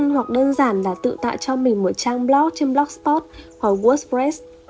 hoặc đơn giản là tự tạo cho mình một trang blog trên blogspot hoặc wordpress